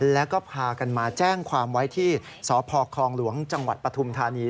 แล้วก็พากันมาแจ้งความไว้ที่สพคลองหลวงจังหวัดปฐุมธานี